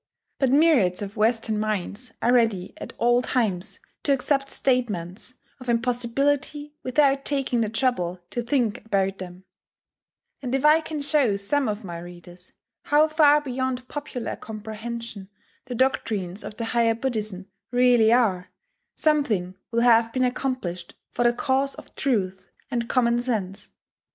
But myriads of Western minds are ready at all times to accept statements of impossibility without taking the trouble to think about them; and if I can show some of my readers how far beyond popular comprehension the doctrines of the higher Buddhism really are, something will have been accomplished for the cause of truth and common sense.